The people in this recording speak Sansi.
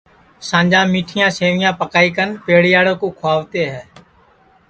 سانجا میٹھیاں سیویاں پکائی کن پیڑیاڑے کُو کُھؤتے ہیں